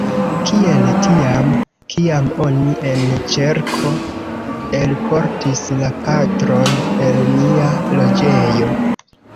Kiel tiam, kiam oni en ĉerko elportis la patron el nia loĝejo.